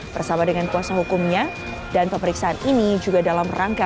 bersama dengan kuasa hukumnya dan pemeriksaan ini juga dalam rangka